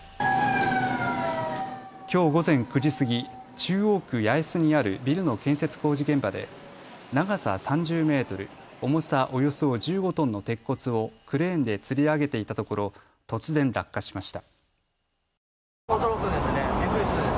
きょう午前９時過ぎ、中央区八重洲にあるビルの建設工事現場で長さ３０メートル、重さおよそ１５トンの鉄骨をクレーンでつり上げていたところ突然、落下しました。